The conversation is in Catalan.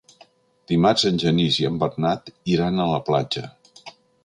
Dimarts en Genís i en Bernat iran a la platja.